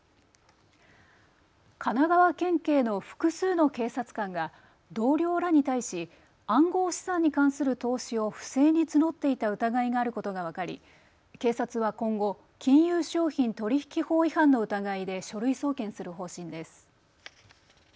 神奈川県警の複数の警察官が同僚らに対し暗号資産に関する投資を不正に募っていた疑いがあることが分かり警察は今後、金融商品取引法違反の疑いで書類送検する方針です。